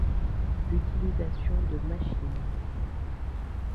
L'utilisation de machines.